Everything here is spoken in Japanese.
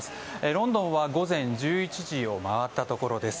ロンドンは午前１１時を回ったところです。